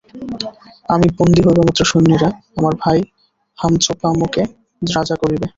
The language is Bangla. আমি বন্দী হইবামাত্র সৈন্যেরা আমার ভাই হামচুপামুকে রাজা করিবে।